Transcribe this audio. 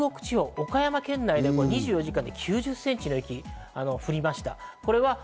特徴的なのは、中国地方、岡山県内でも２４時間で９０センチの雪が降りました。